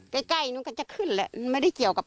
ใกล้น่าก็จะขึ้นแหละ